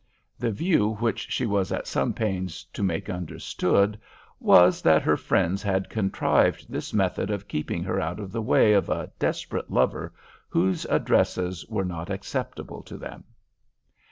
The view which she was at some pains to make understood was, that her friends had contrived this method of keeping her out of the way of a desperate lover whose addresses were not acceptable to them.